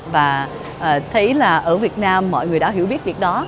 và thấy là ở việt nam mọi người đã hiểu biết việc đó